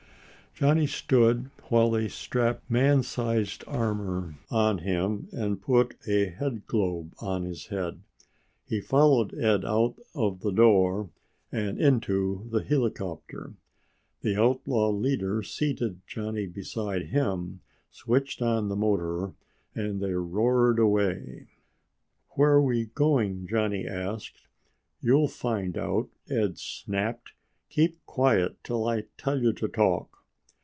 Johnny stood while they strapped man sized armor on him and put a headglobe on his head. He followed Ed out of the door and into the helicopter. The outlaw leader seated Johnny beside him, switched on the motor, and they roared away. "Where we going?" Johnny asked. "You'll find out," Ed snapped. "Keep quiet till I tell you to talk!"